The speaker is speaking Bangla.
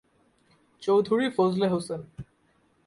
চৌধুরী ফজলে হোসেন।